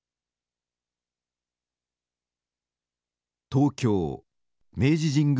東京明治神宮